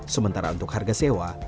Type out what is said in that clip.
sementara untuk harga sewa